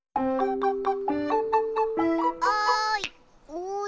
おい！